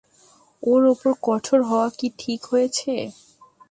ওর ওপর কঠোর হওয়া কি ঠিক হয়েছে?